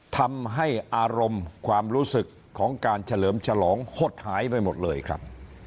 ทำให้อารมณ์ความรู้สึกของการเฉลิมฉลองหดหายไปหมดเลยครับ